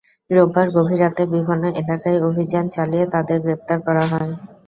রোববার গভীর রাতে বিভিন্ন এলাকায় অভিযান চালিয়ে তাঁদের গ্রেপ্তার করা হয়।